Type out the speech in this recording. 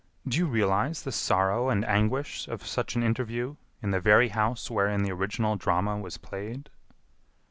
do you realize the sorrow and anguish of such an interview in the very house wherein the original drama was played?"